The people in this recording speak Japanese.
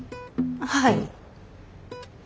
はい。